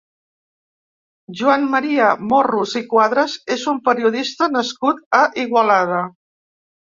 Joan Maria Morros i Cuadras és un periodista nascut a Igualada.